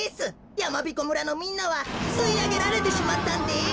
やまびこ村のみんなはすいあげられてしまったんです。